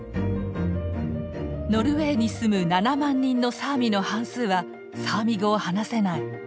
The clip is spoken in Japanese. ノルウェーに住む７万人のサーミの半数はサーミ語を話せない。